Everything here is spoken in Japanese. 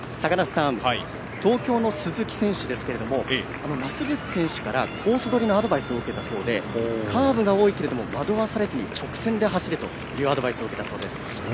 東京の鈴木選手ですけども増渕選手からコースどりのアドバイスを受けたそうでカーブが多いけれど惑わされずに直線で走れというアドバイスを受けたそうです。